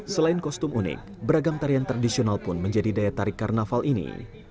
selain kostum unik beragam tarian tradisional pun menjadi daya tarik karnaval ini